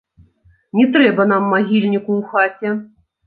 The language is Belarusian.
Не трэба нам магільніку ў хаце!